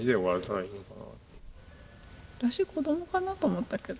私子どもかなと思ったけど。